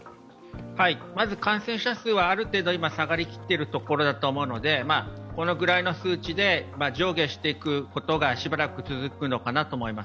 まず感染者数はある程度、今下がりきっているところだと思うので、このぐらいの数値で上下していくことがしばらく続くのかなと思います。